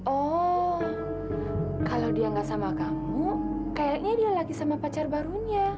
oh kalau dia nggak sama kamu kayaknya dia lagi sama pacar barunya